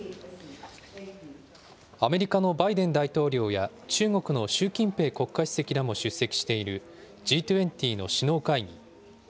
アメリカのバイデン大統領や、中国の習近平国家主席らも出席しているＧ２０の首脳会議。